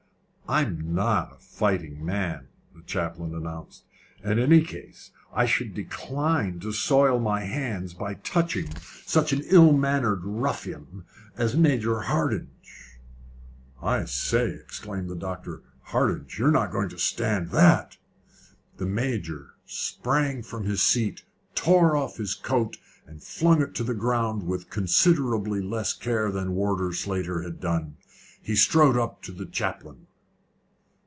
"I'm not a fighting man," the chaplain announced; "and in any case, I should decline to soil my hands by touching such an ill mannered ruffian as Major Hardinge." "I say," exclaimed the doctor, "Hardinge, you're not going to stand that?" The Major sprang from his seat, tore off his coat, and flung it on to the ground with considerably less care than Warder Slater had done. He strode up to the chaplain.